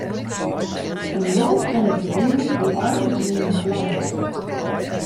In loads fan it bedriuw gie âldjiersjûn yn flammen op.